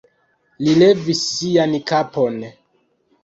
Li levis sian kapon.